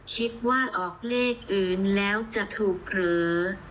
คิดว่าออกเลขอื่นแล้วจะถูกหรือ